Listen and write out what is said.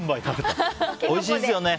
おいしいですよね。